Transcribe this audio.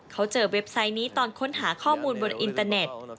เขาเจอเว็บไซต์นี้ตอนค้นหาข้อมูลบนอินเตอร์เน็ต